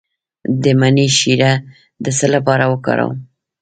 د مڼې شیره د څه لپاره وکاروم؟